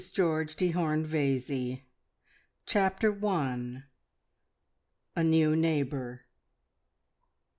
GEORGE DE HORNE VAIZEY CHAPTER ONE. A NEW NEIGHBOUR.